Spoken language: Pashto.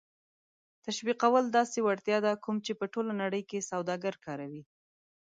تشویقول داسې وړتیا ده کوم چې په ټوله نړۍ کې سوداګر کاروي.